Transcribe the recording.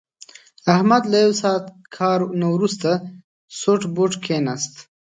احمد له یو ساعت کار نه ورسته سوټ بوټ کېناست.